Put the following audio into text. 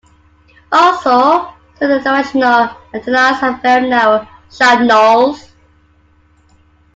Also, some directional antennas have very narrow, sharp nulls.